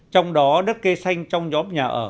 trong đó đất cây xanh trong nhóm nhà ở